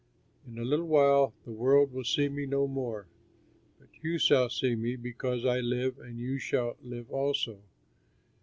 "In a little while the world will see me no more; but you shall see me, because I live and you shall live also.